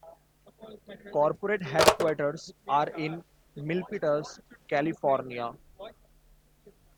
Corporate headquarters are in Milpitas, California.